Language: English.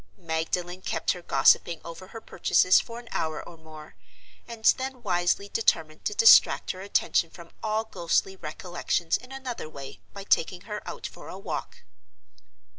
Magdalen kept her gossiping over her purchases for an hour or more, and then wisely determined to distract her attention from all ghostly recollections in another way by taking her out for a walk.